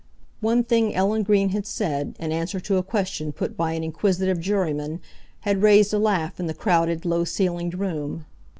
One thing Ellen Green had said, in answer to a question put by an inquisitive juryman, had raised a laugh in the crowded, low ceilinged room.